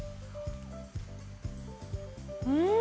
うん！